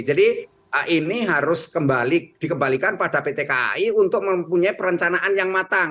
ini harus kembali dikembalikan pada pt kai untuk mempunyai perencanaan yang matang